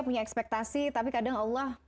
punya ekspektasi tapi kadang allah